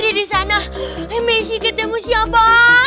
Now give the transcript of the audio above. dari di sana misi ketemu siapa